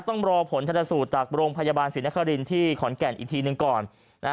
ต้องรอผลชนสูตรจากโรงพยาบาลศรีนครินที่ขอนแก่นอีกทีหนึ่งก่อน